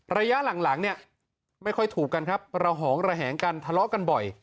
ระยะหลังเนี่ยไม่ค่อยถูกกันครับระหองระแหงกันทะเลาะกันบ่อย